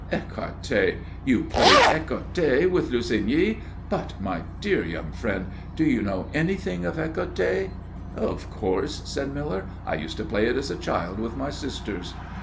"Ecarté! You played ecarté with Lussigny? But my dear young friend, do you know anything of ecarté?" "Of course," said Miller. "I used to play it as a child with my sisters."